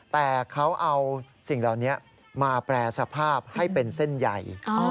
แต่เขาเอาสิ่งเหล่านี้มาแปรสภาพให้เป็นเส้นใหญ่